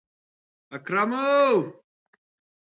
نړۍ د دوی پر کړنو نیوکې کوي.